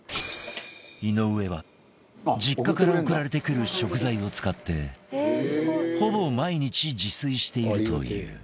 井上は実家から送られてくる食材を使ってほぼ毎日自炊しているという